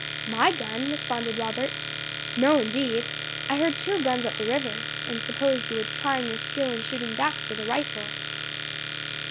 "My gun!" responded Robert, "no, indeed. I heard two guns up the river, and supposed you were trying your skill in shooting ducks with a rifle."